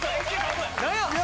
何や？